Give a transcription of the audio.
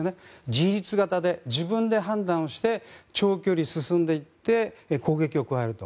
自立型で自分で判断して長距離を進んでいって攻撃を加えると。